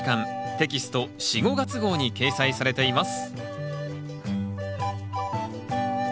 テキスト４・５月号に掲載されています